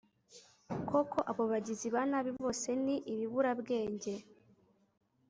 koko abo bagizi ba nabi bose ni ibiburabwenge